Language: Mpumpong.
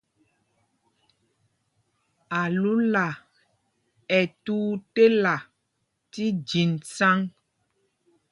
Alúla ɛ́ tuu tela fí jǐn sǎŋg.